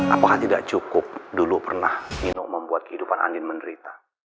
apakah tidak cukup dulu pernah minum membuat kehidupan andin menderita